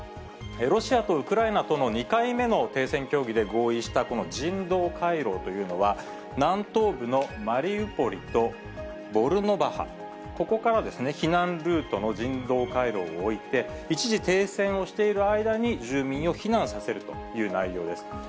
ロシアとウクライナとの２回目の停戦協議で合意したこの人道回廊というのは、南東部のマリウポリとボルノバハ、ここから避難ルートの人道回廊を置いて、一時停戦をしている間に、住民を避難させるという内容です。